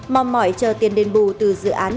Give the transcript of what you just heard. mò mỏi chờ tiền đền bù từ dự án